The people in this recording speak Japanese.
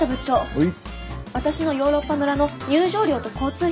はい。